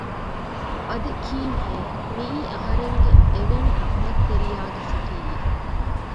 އަދި ކީއްހޭ މިއީ އަހަރެންގެ އެވެނި ރަޙްމަތްރެތިޔާގެ ސިޓީއެއް